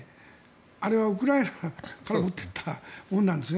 あれはウクライナから持っていったものなんですね。